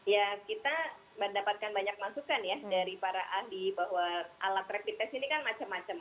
ya kita mendapatkan banyak masukan ya dari para ahli bahwa alat rapid test ini kan macam macam